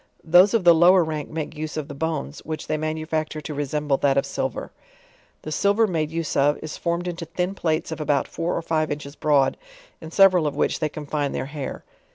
Those of the lower rank make use ef the bones, which they manufacture to resemble that of silver. The silver made use of, is formed into thin plates of about four cr five inches broad, in several of which they confine their hair.